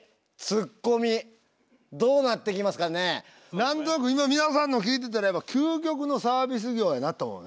何となく今皆さんのを聞いてたらやっぱり究極のサービス業やなと思うね。